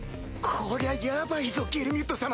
こりゃヤバいぞゲルミュッド様！